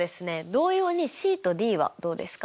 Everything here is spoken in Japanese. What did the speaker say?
同様にＣとＤはどうですか？